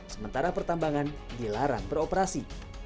sementara pertambangan dilarang beroperasi